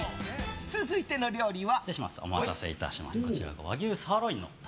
続いての料理は？